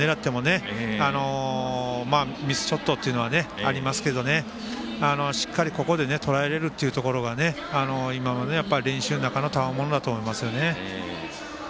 なかなか狙ってもミスショットというのはありますけど、しっかりここでとらえられるというのは練習のたまものだと思います。